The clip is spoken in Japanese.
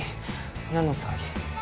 何の騒ぎ？